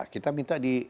kita minta di